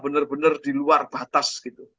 benar benar di luar batas gitu